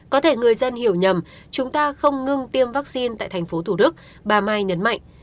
có thể người dân hiểu nhầm chúng ta không ngưng tiêm vaccine tại tp thủ đức bà mai nhấn mạnh